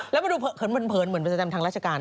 แล้วมันดูเผินเผินเผินเผินเหมือนสแตมทางราชการนะ